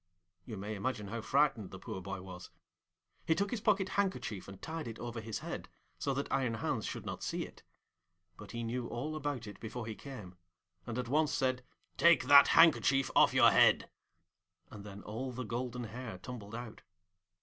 You may imagine how frightened the poor boy was. He took his pocket handkerchief and tied it over his head, so that Iron Hans should not see it. But he knew all about it before he came, and at once said, 'Take that handkerchief off your head,' and then all the golden hair tumbled out.